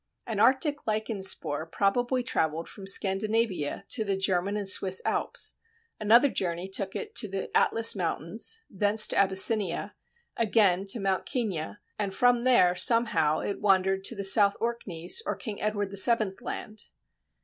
An Arctic lichen spore probably travelled from Scandinavia to the German and Swiss Alps, another journey took it to the Atlas Mountains, thence to Abyssinia, again to Mount Kenia, and from there, somehow, it wandered to the South Orkneys or King Edward VII Land.